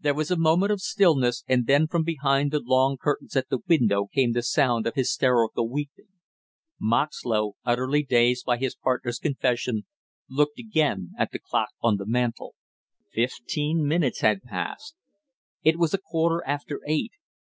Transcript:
There was a moment of stillness, and then from behind the long curtains at the window came the sound of hysterical weeping. Moxlow, utterly dazed by his partner's confession, looked again at the clock on the mantel. Fifteen minutes had passed. It was a quarter after eight.